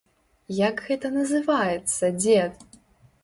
Як гэта называецца, дзед?